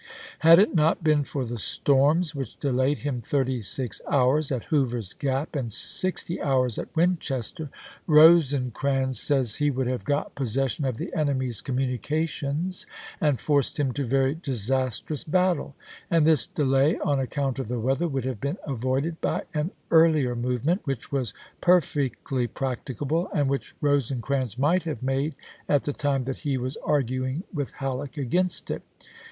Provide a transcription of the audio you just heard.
Had it not been for the storms, which delayed him thirty six hours at Hoover's Gap and sixty hours at Winchester, Rosecrans says Report Committee on Couduct of the War, THE MARCH TO CHATTANOOGA 63 he would have got possession of the enemy's com chap. m. munications and forced him to very disastrous battle ; and this delay on account of the weather Rosecrans, would have been avoided by an earlier movement, '^ Re^rt^ which was perfectly practicable, and which Rose crans might have made at the time that he was arguing with Halleck against it.